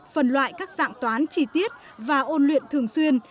phần loại các dạng toán chi tiết và ôn luyện thường xuyên